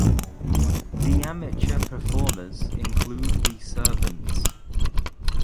The amateur performers include the servants.